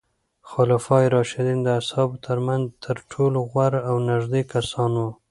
خلفای راشدین د اصحابو ترمنځ تر ټولو غوره او نږدې کسان وو.